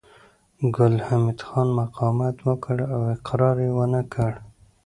ګل حمید خان مقاومت وکړ او اقرار يې ونه کړ